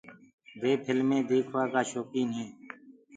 وي ڦڪلمي ديکوآ ڪآ شوڪيٚن هينٚ۔